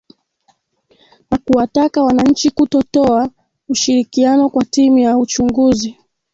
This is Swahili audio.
na kuwataka wananchi kutotoa ushirikiano kwa timu ya uchunguzi